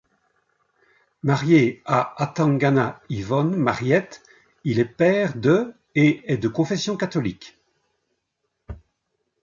Marié à Atangana Yvonne Mariette, il est père de et est de confession catholique.